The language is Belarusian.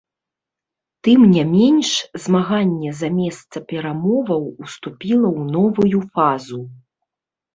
Тым не менш, змаганне за месца перамоваў уступіла ў новую фазу.